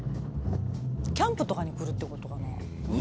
キャンプとかに来るってことかな？